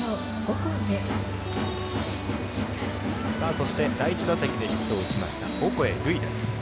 そして、第１打席でヒットを打ちましたオコエ瑠偉です。